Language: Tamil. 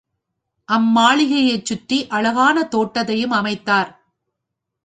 அம்மாளிகையைச் சுற்றி அழகான தோட்டத்தையும் அமைத்தார்.